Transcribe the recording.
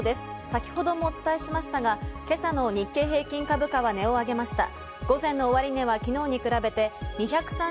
先程もお伝えしましたが、今朝の日経平均株価は値を上げました。